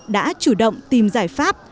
đã chủ động tìm giải pháp